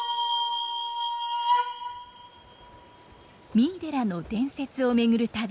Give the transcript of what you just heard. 三井寺の伝説を巡る旅。